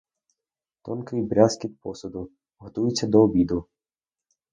Тонкий брязкіт посуду — готуються до обіду.